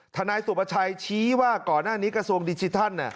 นายสุประชัยชี้ว่าก่อนหน้านี้กระทรวงดิจิทัล